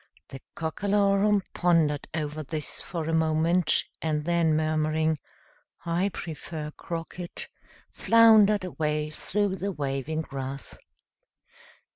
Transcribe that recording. The Cockalorum pondered over this for a moment, and then murmuring, "I prefer croquet," floundered away through the waving grass.